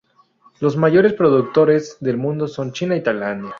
Los mayores productores del mundo son China y Tailandia.